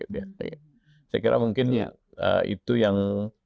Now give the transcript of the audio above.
saya kira mungkin itu yang